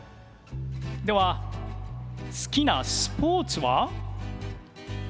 では好きなスポーツは？